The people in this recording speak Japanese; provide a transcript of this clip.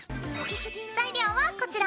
材料はこちら。